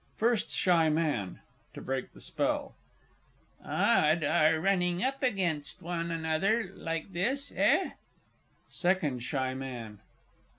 _ FIRST SHY MAN (to break the spell). Odd, our running up against one another like this, eh? SECOND SHY MAN.